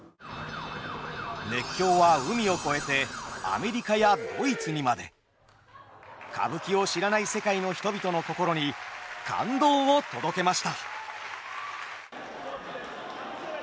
熱狂は海を越えてアメリカやドイツにまで。歌舞伎を知らない世界の人々の心に感動を届けました。